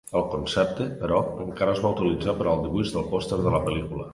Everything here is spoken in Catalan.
El concepte, però, encara es va utilitzar per al dibuix del pòster de la pel·lícula.